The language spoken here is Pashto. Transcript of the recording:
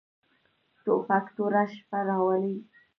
توپک توره شپه راولي.